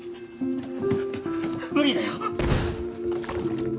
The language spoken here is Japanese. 無理だよ！